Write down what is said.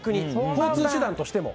交通手段としても。